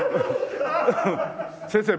先生